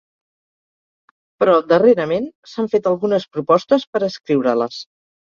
Però, darrerament, s'han fet algunes propostes per escriure-les.